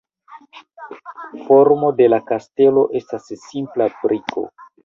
Formo de la kastelo estas simpla briko.